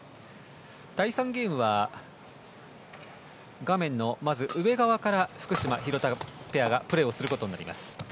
第３ゲームは画面の上側から福島、廣田ペアがプレーをすることになります。